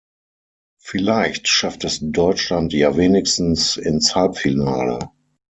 Vielleicht schafft es Deutschland ja wenigstens ins Halbfinale.